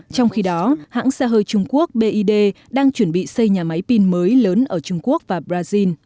trong khi đó hãng xa hơi trung quốc bid đang chuẩn bị xây nhà máy pin mới lớn ở trung quốc và brazil